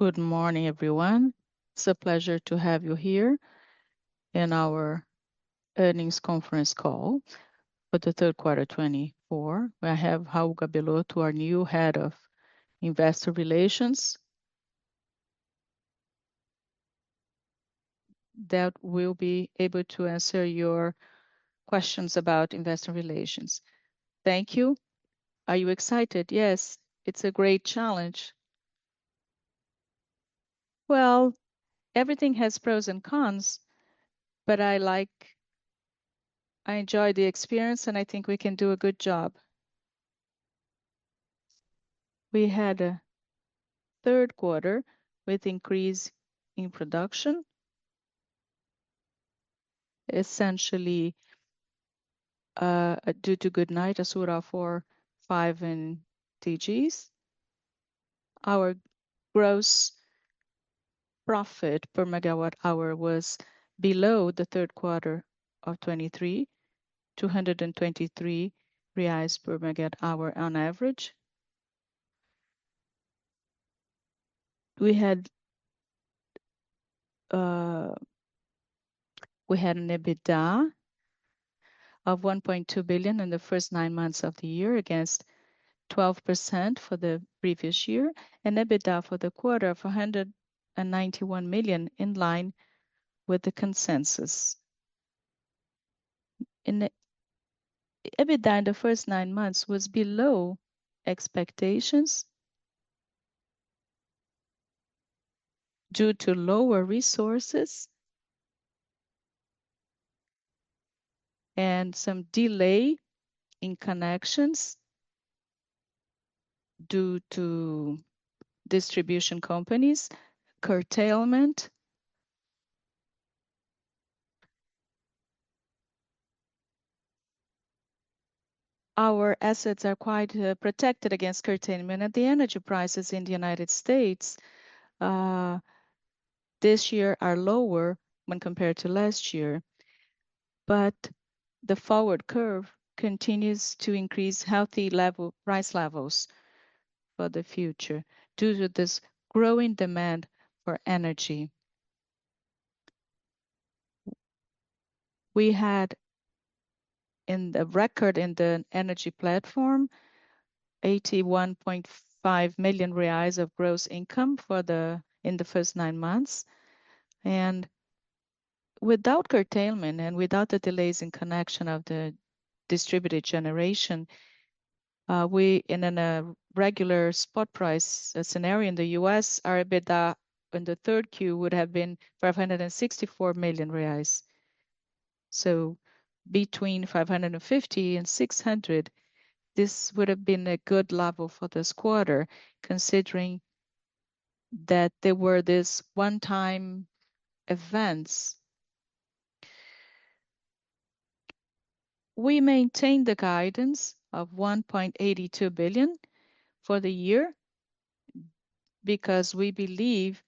Good morning, everyone. It's a pleasure to have you here in our earnings conference call for the third quarter 2024. I have Raul Cavendish, our new head of investor relations, that will be able to answer your questions about investor relations. Thank you. Are you excited? Yes, it's a great challenge. Everything has pros and cons, but I like—I enjoy the experience, and I think we can do a good job. We had a third quarter with an increase in production, essentially due to Goodnight, Assuruá 5 and DGs. Our gross profit per megawatt hour was below the third quarter of 2023, 223 reais per megawatt hour on average. We had an EBITDA of 1.2 billion in the first nine months of the year, against 12% for the previous year, an EBITDA for the quarter of 191 million, in line with the consensus. EBITDA in the first nine months was below expectations due to lower resources and some delay in connections due to distribution companies' curtailment. Our assets are quite protected against curtailment, and the energy prices in the United States this year are lower when compared to last year, but the forward curve continues to increase healthy price levels for the future due to this growing demand for energy. We had a record in the energy platform, 81.5 million reais of gross income for the first nine months. And without curtailment and without the delays in connection of the distributed generation, we, in a regular spot price scenario in the U.S., our EBITDA in the third Q would have been 564 million reais. So between 550 million and 600 million, this would have been a good level for this quarter, considering that there were these one-time events. We maintained the guidance of 1.82 billion for the year because we believe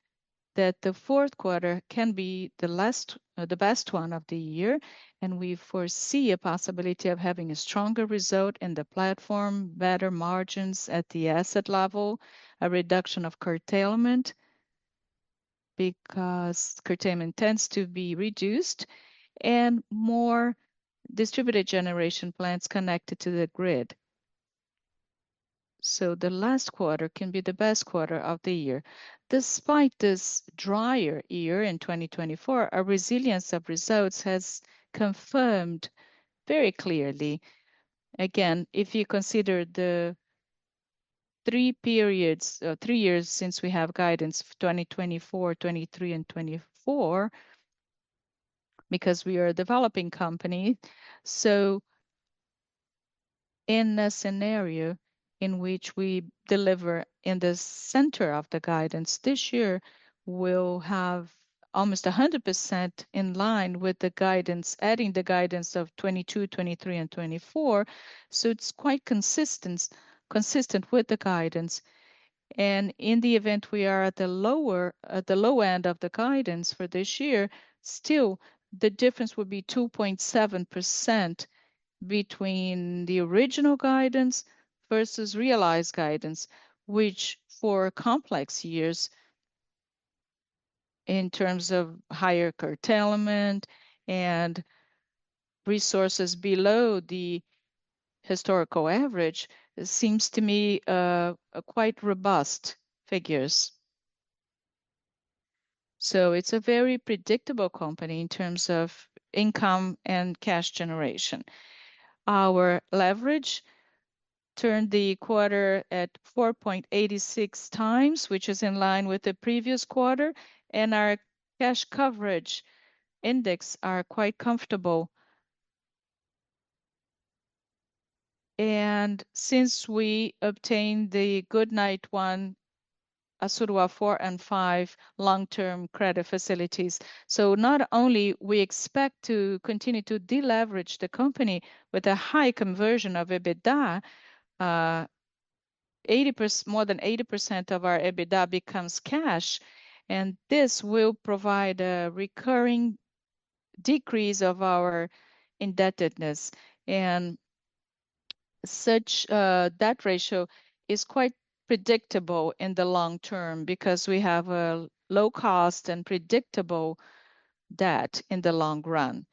that the fourth quarter can be the last, the best one of the year, and we foresee a possibility of having a stronger result in the platform, better margins at the asset level, a reduction of curtailment because curtailment tends to be reduced, and more distributed generation plants connected to the grid. So the last quarter can be the best quarter of the year. Despite this drier year in 2024, our resilience of results has confirmed very clearly. Again, if you consider the three periods or three years since we have guidance for 2024, 2023, and 2024, because we are a developing company. So in a scenario in which we deliver in the center of the guidance this year, we'll have almost 100% in line with the guidance, adding the guidance of 2022, 2023, and 2024. So it's quite consistent with the guidance. And in the event we are at the low end of the guidance for this year, still the difference would be 2.7% between the original guidance versus realized guidance, which for complex years, in terms of higher curtailment and resources below the historical average, seems to me quite robust figures. So it's a very predictable company in terms of income and cash generation. Our leverage turned the quarter at 4.86x, which is in line with the previous quarter, and our cash coverage index is quite comfortable. And since we obtained the Goodnight 1, Assuruá 4 and 5 long-term credit facilities. So not only do we expect to continue to deleverage the company with a high conversion of EBITDA, more than 80% of our EBITDA becomes cash, and this will provide a recurring decrease of our indebtedness. Such a debt ratio is quite predictable in the long term because we have a low cost and predictable debt in the long run.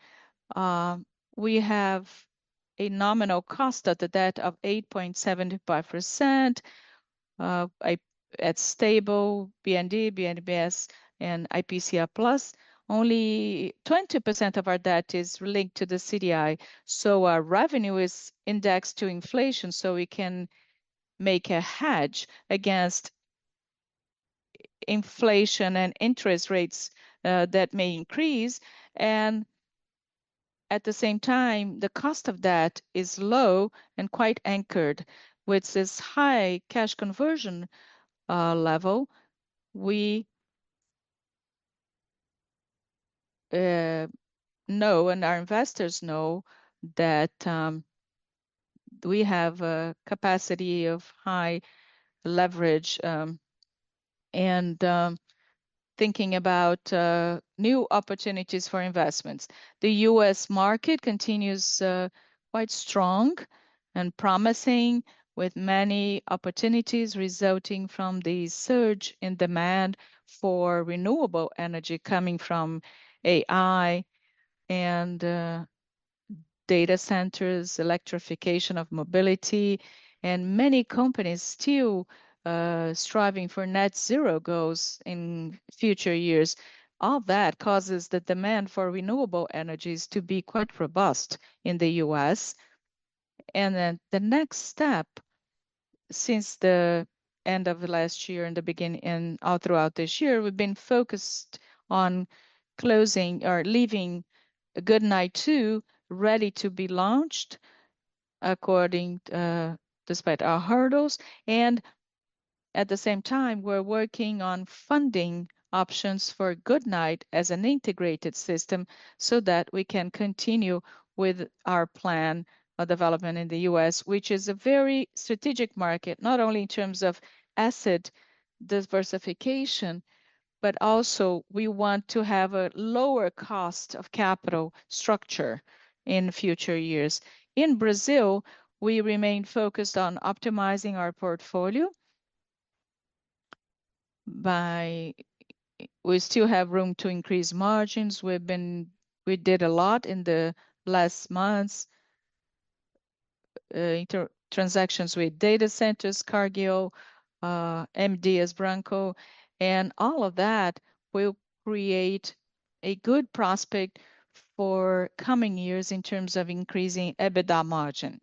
We have a nominal cost of the debt of 8.75% at stable BNDES, and IPCA+. Only 20% of our debt is linked to the CDI, so our revenue is indexed to inflation, so we can make a hedge against inflation and interest rates that may increase. At the same time, the cost of that is low and quite anchored. With this high cash conversion level, we know, and our investors know that we have a capacity of high leverage and thinking about new opportunities for investments. The U.S. market continues quite strong and promising, with many opportunities resulting from the surge in demand for renewable energy coming from AI and data centers, electrification of mobility, and many companies still striving for net zero goals in future years. All that causes the demand for renewable energies to be quite robust in the U.S. And then the next step, since the end of last year and the beginning and all throughout this year, we've been focused on closing or leaving Goodnight 2 ready to be launched despite our hurdles. And at the same time, we're working on funding options for Goodnight as an integrated system so that we can continue with our plan of development in the U.S., which is a very strategic market, not only in terms of asset diversification, but also we want to have a lower cost of capital structure in future years. In Brazil, we remain focused on optimizing our portfolio. We still have room to increase margins. We did a lot in the last months, transactions with data centers, Cargill, M. Dias Branco, and all of that will create a good prospect for coming years in terms of increasing EBITDA margin.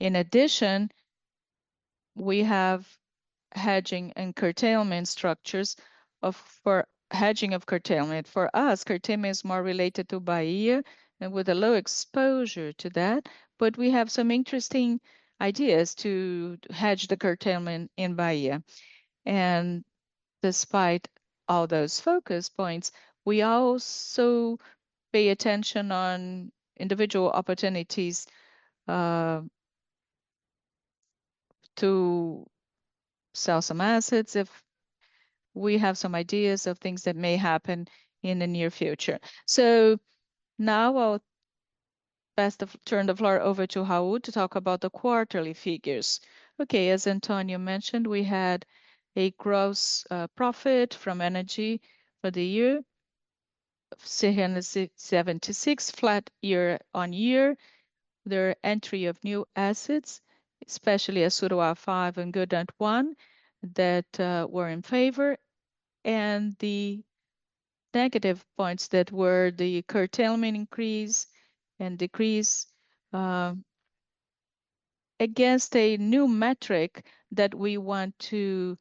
In addition, we have hedging and curtailment structures for hedging of curtailment. For us, curtailment is more related to Bahia and with a low exposure to that, but we have some interesting ideas to hedge the curtailment in Bahia. And despite all those focus points, we also pay attention to individual opportunities to sell some assets if we have some ideas of things that may happen in the near future. So now I'll best turn the floor over to Raul Cavendish to talk about the quarterly figures. Okay, as Antonio mentioned, we had a gross profit from energy for the year, 76 flat year-on-year. There are entries of new assets, especially Assuruá 4 and Goodnight 1 that were in favor. And the negative points that were the curtailment increase and decrease against a new metric that we want to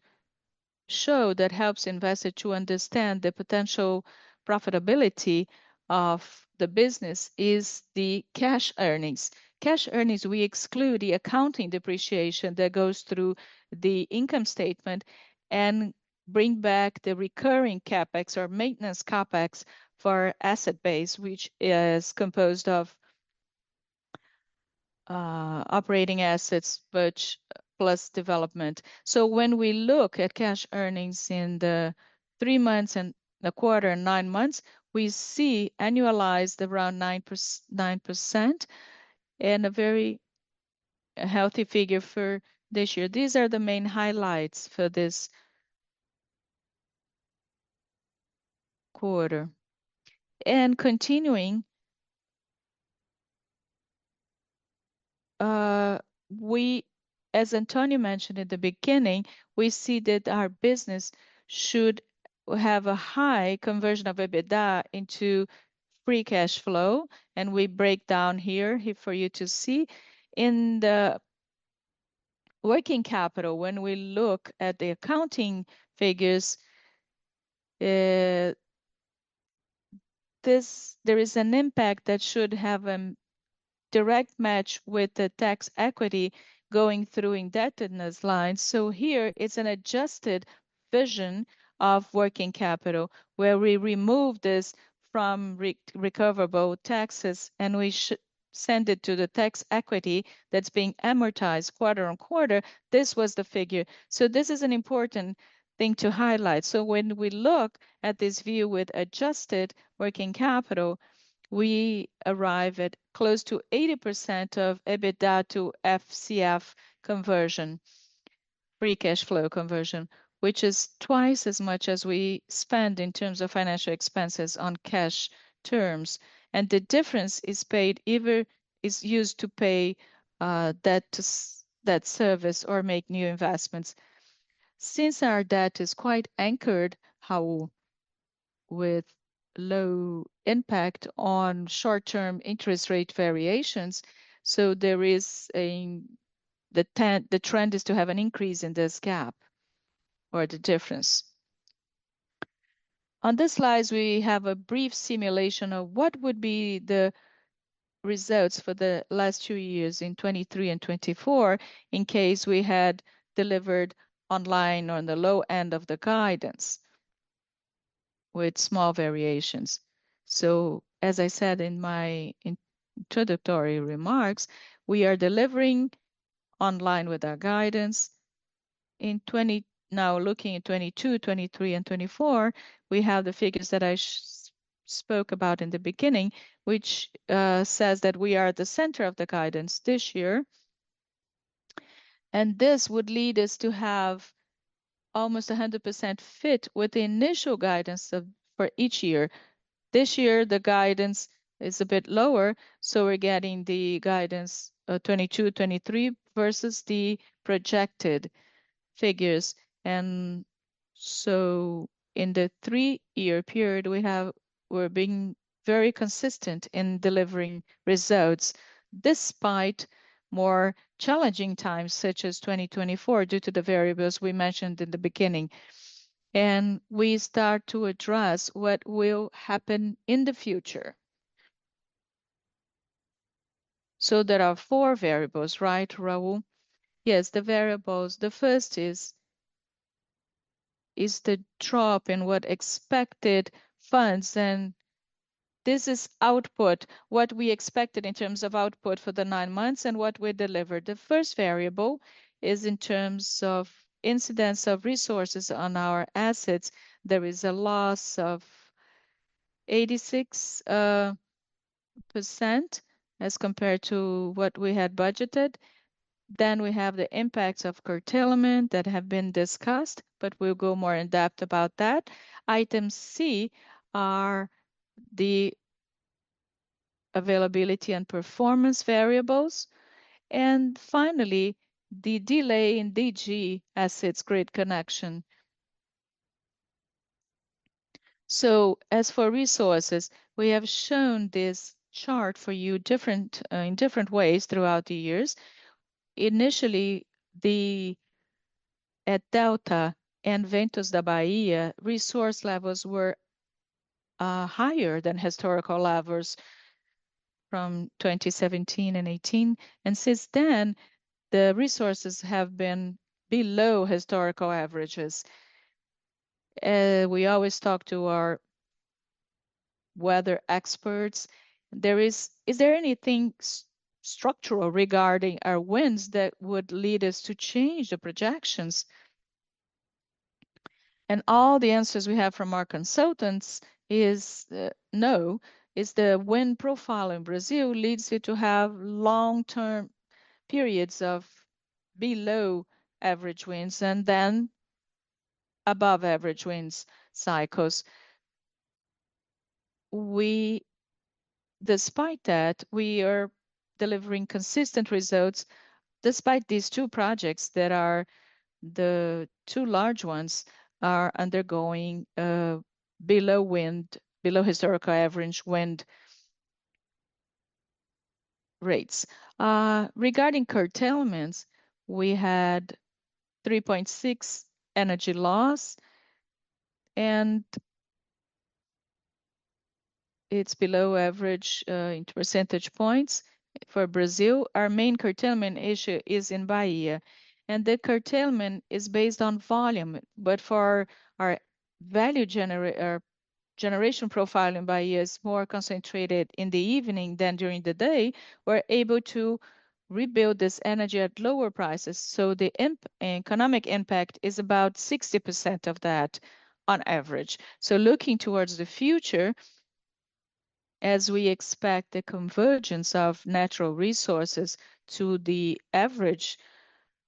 show that helps investors to understand the potential profitability of the business is the cash earnings. Cash earnings, we exclude the accounting depreciation that goes through the income statement and bring back the recurring CapEx or maintenance CapEx for asset base, which is composed of operating assets, which plus development. So when we look at cash earnings in the three months and the quarter and nine months, we see annualized around 9% and a very healthy figure for this year. These are the main highlights for this quarter. Continuing, as Antonio mentioned at the beginning, we see that our business should have a high conversion of EBITDA into free cash flow, and we break down here for you to see. In the working capital, when we look at the accounting figures, there is an impact that should have a direct match with the tax equity going through indebtedness lines. So here, it's an adjusted vision of working capital where we remove this from recoverable taxes and we send it to the tax equity that's being amortized quarter-on-quarter. This was the figure. So this is an important thing to highlight. So when we look at this view with adjusted working capital, we arrive at close to 80% of EBITDA to FCF conversion, free cash flow conversion, which is twice as much as we spend in terms of financial expenses on cash terms. The difference is paid either is used to pay debt service or make new investments. Since our debt is quite anchored, Raul, with low impact on short-term interest rate variations, so there is the trend is to have an increase in this gap or the difference. On these slides, we have a brief simulation of what would be the results for the last two years in 2023 and 2024 in case we had delivered online on the low end of the guidance with small variations. As I said in my introductory remarks, we are delivering online with our guidance. In 2020, now looking at 2022, 2023, and 2024, we have the figures that I spoke about in the beginning, which says that we are at the center of the guidance this year. And this would lead us to have almost 100% fit with the initial guidance for each year. This year, the guidance is a bit lower, so we're getting the guidance 2022, 2023 versus the projected figures. And so in the three-year period, we have, we're being very consistent in delivering results despite more challenging times such as 2024 due to the variables we mentioned in the beginning. And we start to address what will happen in the future. So there are four variables, right, Raul? Yes, the variables. The first is the drop in what we expected funds, and this is output, what we expected in terms of output for the nine months and what we delivered. The first variable is in terms of incidence of resources on our assets. There is a loss of 86% as compared to what we had budgeted. Then we have the impacts of curtailment that have been discussed, but we'll go more in depth about that. Item C are the availability and performance variables. And finally, the delay in DG assets grid connection. So as for resources, we have shown this chart for you in different ways throughout the years. Initially, the Delta and Ventos da Bahia resource levels were higher than historical levels from 2017 and 2018. And since then, the resources have been below historical averages. We always talk to our weather experts. Is there anything structural regarding our winds that would lead us to change the projections? And all the answers we have from our consultants is no. It's the wind profile in Brazil leads you to have long-term periods of below average winds and then above average winds cycles. Despite that, we are delivering consistent results despite these two projects that are the two large ones undergoing below wind, below historical average wind rates. Regarding curtailments, we had 3.6% energy loss, and it's below average in percentage points for Brazil. Our main curtailment issue is in Bahia, and the curtailment is based on volume. But for our value generation profile in Bahia, it's more concentrated in the evening than during the day. We're able to rebuild this energy at lower prices, so the economic impact is about 60% of that on average, so looking towards the future, as we expect the convergence of natural resources to the average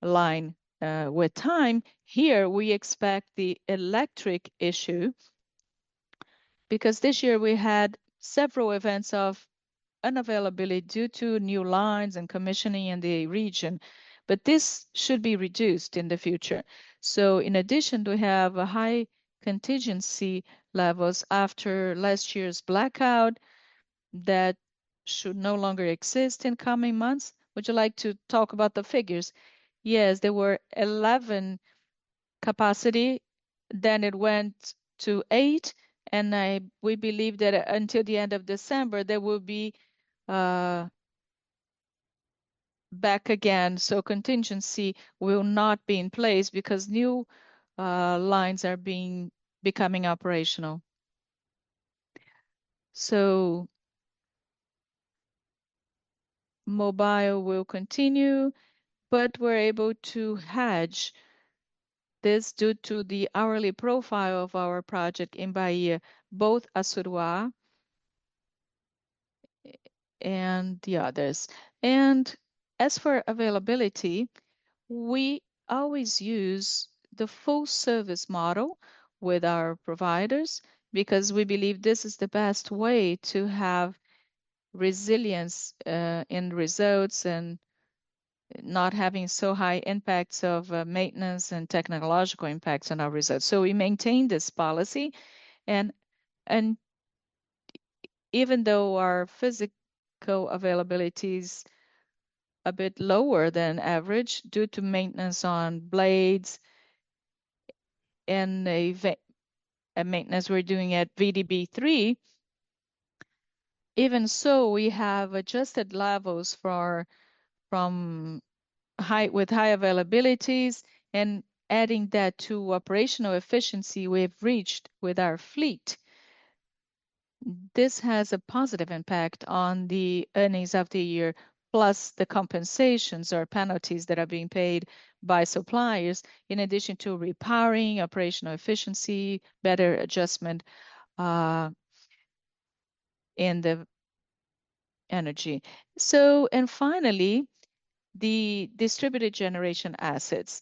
line with time, we expect the electric issue because this year we had several events of unavailability due to new lines and commissioning in the region, but this should be reduced in the future. In addition, we have high contingency levels after last year's blackout that should no longer exist in coming months. Would you like to talk about the figures? Yes, there were 11 capacity, then it went to 8, and we believe that until the end of December, there will be back again. Contingency will not be in place because new lines are becoming operational. Curtailment will continue, but we're able to hedge this due to the hourly profile of our project in Bahia, both Assuruá and the others. As for availability, we always use the full service model with our providers because we believe this is the best way to have resilience in results and not having so high impacts of maintenance and technological impacts on our results. We maintain this policy. Even though our physical availability is a bit lower than average due to maintenance on blades and maintenance we're doing at VDB3, even so, we have adjusted levels for our from high with high availabilities and adding that to operational efficiency we've reached with our fleet. This has a positive impact on the earnings of the year, plus the compensations or penalties that are being paid by suppliers in addition to repairing operational efficiency, better adjustment in the energy. And finally, the distributed generation assets.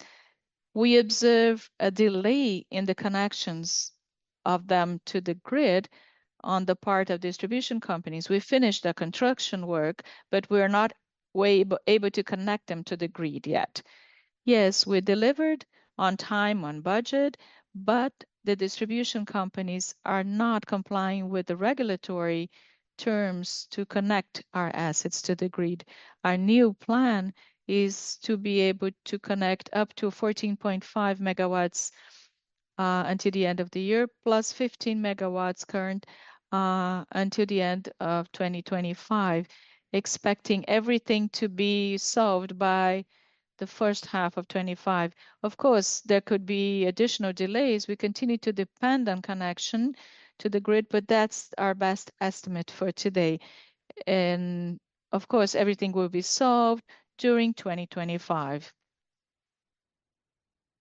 We observe a delay in the connections of them to the grid on the part of distribution companies. We finished the construction work, but we're not able to connect them to the grid yet. Yes, we delivered on time on budget, but the distribution companies are not complying with the regulatory terms to connect our assets to the grid. Our new plan is to be able to connect up to 14.5 MW until the end of the year, plus 15 MW current until the end of 2025, expecting everything to be solved by the first half of 2025. Of course, there could be additional delays. We continue to depend on connection to the grid, but that's our best estimate for today, and of course, everything will be solved during 2025,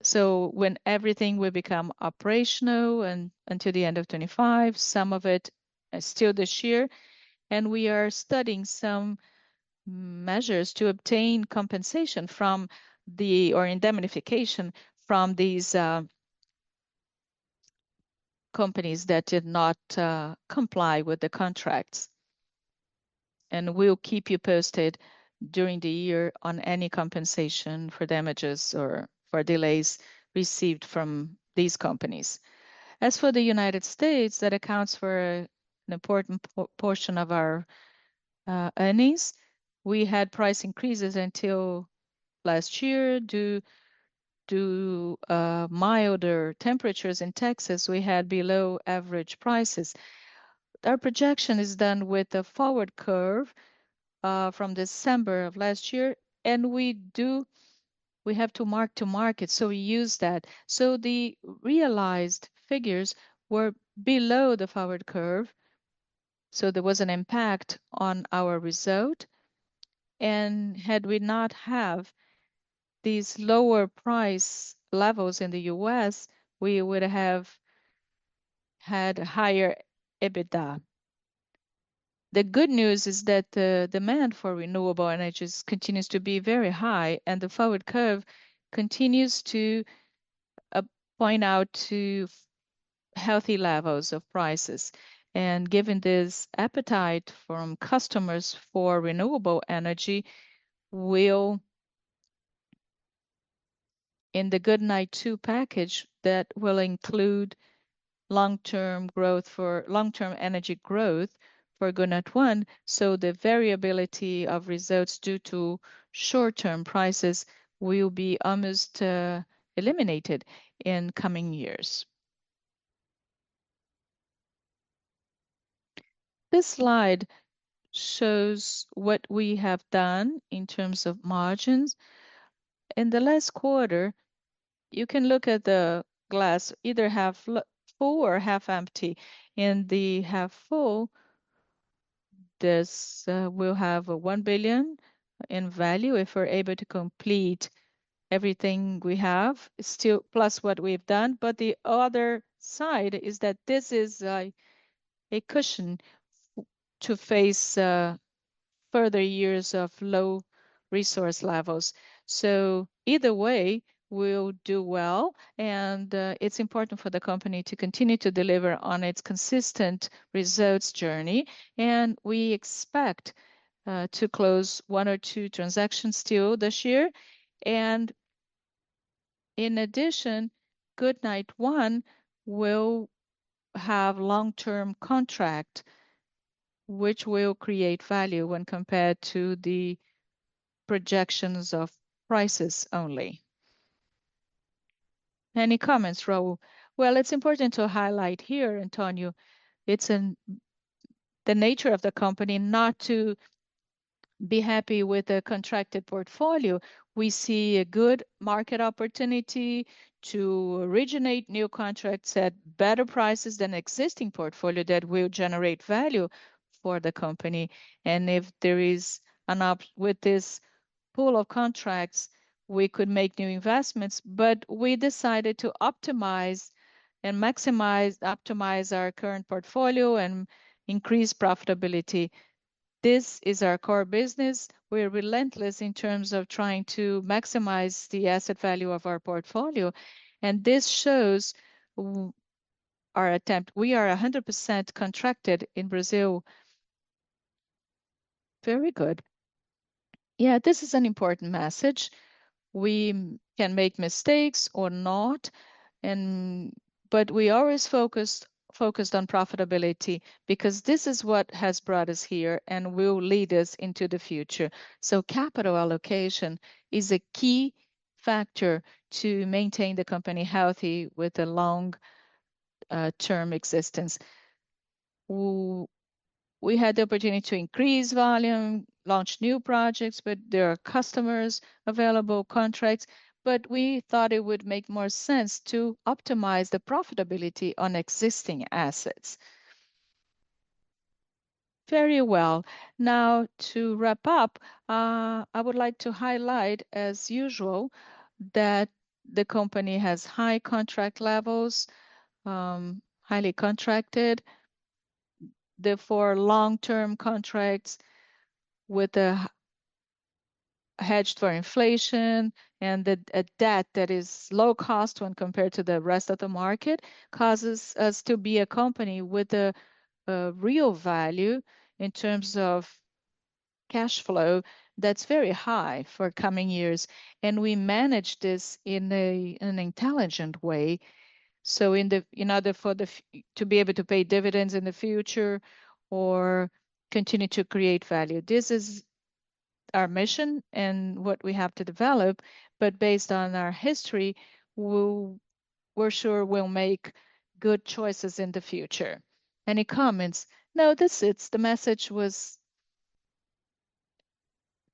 so when everything will become operational until the end of 2025, some of it is still this year. We are studying some measures to obtain compensation from the or indemnification from these companies that did not comply with the contracts, and we'll keep you posted during the year on any compensation for damages or for delays received from these companies. As for the United States, that accounts for an important portion of our earnings. We had price increases until last year due to milder temperatures in Texas. We had below average prices. Our projection is done with a forward curve from December of last year, and we do have to mark to market, so we use that, so the realized figures were below the forward curve, so there was an impact on our result, and had we not have these lower price levels in the U.S., we would have had a higher EBITDA. The good news is that the demand for renewable energy continues to be very high, and the forward curve continues to point out to healthy levels of prices, and given this appetite from customers for renewable energy, we'll include in the Goodnight 2 package that will include long-term growth for long-term energy growth for Goodnight 1. So the variability of results due to short-term prices will be almost eliminated in coming years. This slide shows what we have done in terms of margins. In the last quarter, you can look at the glass, either half full or half empty. In the half full, this will have a 1 billion in value if we're able to complete everything we have still plus what we've done. But the other side is that this is a cushion to face further years of low resource levels. So either way, we'll do well. And it's important for the company to continue to deliver on its consistent results journey. And we expect to close one or two transactions still this year. And in addition, Goodnight 1 will have long-term contract, which will create value when compared to the projections of prices only. Any comments, Raul? It's important to highlight here, Antonio. It's the nature of the company not to be happy with the contracted portfolio. We see a good market opportunity to originate new contracts at better prices than existing portfolio that will generate value for the company. And if there is an op with this pool of contracts, we could make new investments, but we decided to optimize and maximize our current portfolio and increase profitability. This is our core business. We're relentless in terms of trying to maximize the asset value of our portfolio. And this shows our attempt. We are 100% contracted in Brazil. Very good. Yeah, this is an important message. We can make mistakes or not, but we always focused on profitability because this is what has brought us here and will lead us into the future. So capital allocation is a key factor to maintain the company healthy with a long-term existence. We had the opportunity to increase volume, launch new projects, but there are customers available, contracts, but we thought it would make more sense to optimize the profitability on existing assets. Very well. Now, to wrap up, I would like to highlight, as usual, that the company has high contract levels, highly contracted. Therefore, long-term contracts with a hedge for inflation and a debt that is low cost when compared to the rest of the market causes us to be a company with a real value in terms of cash flow that's very high for coming years. And we manage this in an intelligent way. So in order for the to be able to pay dividends in the future or continue to create value. This is our mission and what we have to develop, but based on our history, we're sure we'll make good choices in the future. Any comments? No, this is the message was.